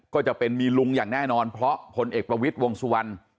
ก็จะเป็นมีลุงอย่างแน่นอนเพราะพลเอกประวิทย์วงสุวรรณ